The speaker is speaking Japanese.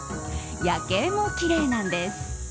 夜景もきれいなんです。